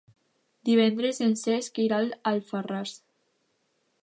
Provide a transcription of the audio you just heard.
Divendres en Cesc irà a Alfarràs.